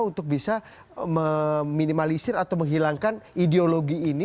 untuk bisa meminimalisir atau menghilangkan ideologi ini